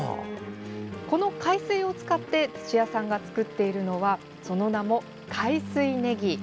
この海水を使って土屋さんが作っているのはその名も海水ねぎ。